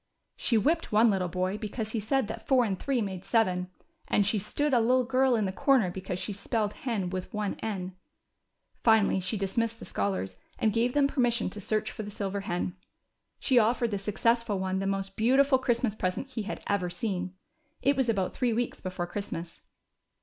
She whipped one little boy because he said that four and three made seven, and she stood a little girl in the corner because she spelled hen with one n. Finally she dismissed the scholars, and gave them permission to search for the silver hen. She offered the successful one the most beautiful Christmas present he had ever seen. It was about three weeks before Christmas.